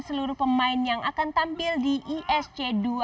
seluruh pemain yang akan tampil di isc dua ribu dua puluh